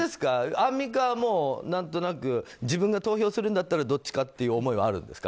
アンミカ、何となく自分が投票するんだったらどっちかっていう思いはあるんですか。